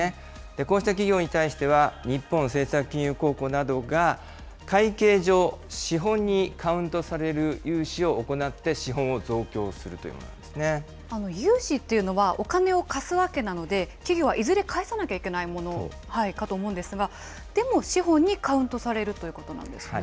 こうした企業に対しては、日本政策金融公庫などが会計上、資本にカウントされる融資を行って資本融資っていうのは、お金を貸すわけなので、企業はいずれ返さなきゃいけないものかと思うんですが、でも資本にカウントされるということなんですね。